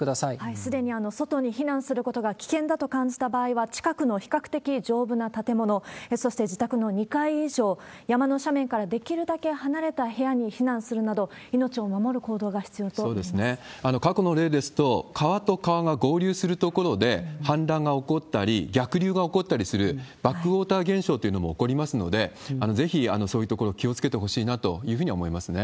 すでに外に避難することが危険だと感じた場合は、近くの比較的丈夫な建物、そして自宅の２階以上、山の斜面からできるだけ離れた部屋に避難するなど、過去の例ですと、川と川が合流する所で氾濫が起こったり逆流が起こったりするバックウォーター現象というのも起こりますので、ぜひそういう所気をつけてほしいなというふうに思いますね。